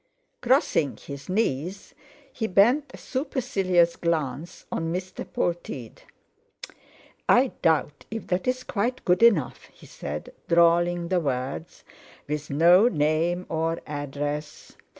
Crossing his knees, he bent a supercilious glance on Mr. Polteed. "I doubt if that's quite good enough," he said, drawling the words, "with no name or address.